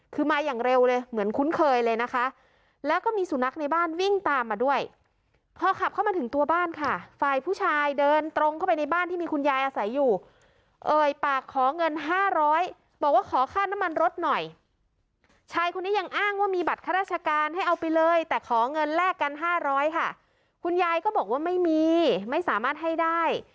คือมาอย่างเร็วเลยเหมือนคุ้นเคยเลยนะคะแล้วก็มีสุนัขในบ้านวิ่งตามมาด้วยพอขับเข้ามาถึงตัวบ้านค่ะฝ่ายผู้ชายเดินตรงเข้าไปในบ้านที่มีคุณยายอาศัยอยู่เอ่ยปากขอเงินห้าร้อยบอกว่าขอค่าน้ำมันรถหน่อยชายคนนี้ยังอ้างว่ามีบัตรข้าราชการให้เอาไปเลยแต่ขอเงินแลกกันห้าร้อยค่ะคุณยายก็บอกว่าไม่มีไม่สามารถให้ได้